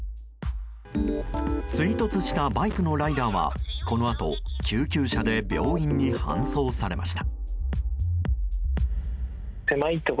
追突したバイクのライダーはこのあと、救急車で病院に搬送されました。